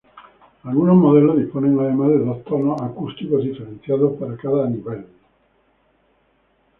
Algunos modelos disponen además de dos tonos acústicos diferenciados para cada nivel.